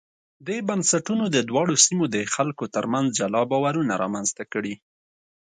دې بنسټونو د دواړو سیمو د خلکو ترمنځ جلا باورونه رامنځته کړي.